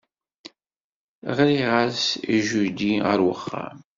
Ɣriɣ-as i Judy ɣer wexxam.